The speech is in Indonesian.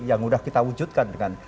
yang sudah kita wujudkan dengan